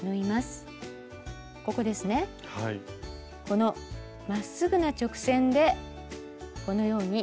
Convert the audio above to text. このまっすぐな直線でこのように。